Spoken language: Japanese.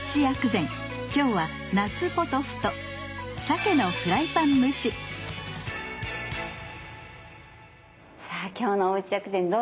今日は「夏ポトフ」と「さけのフライパン蒸し」さあ今日のおうち薬膳どうでした？